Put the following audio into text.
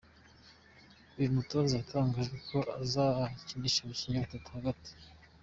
Uyu mutoza yatangaje ko azakinisha abakinnyi batanu hagati.